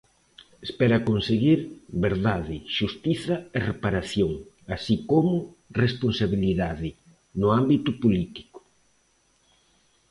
Espera conseguir "verdade, xustiza e reparación", así como "responsabilidade" no ámbito político.